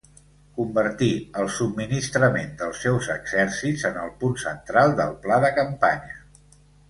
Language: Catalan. Convertí el subministrament dels seus exèrcits en el punt central del pla de campanya.